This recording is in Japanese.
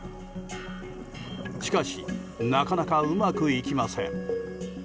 しかし、なかなかうまくいきません。